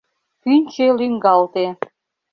Пӱнчӧ лӱҥгалте.